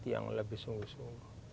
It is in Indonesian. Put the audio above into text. yang lebih sungguh sungguh